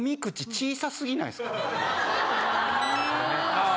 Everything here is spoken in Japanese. ああ。